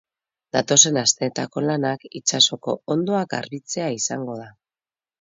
Datozen asteetako lanak itsasoko hondoa garbitzea izango da.